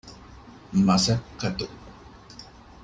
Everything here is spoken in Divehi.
މަަސައްކަތު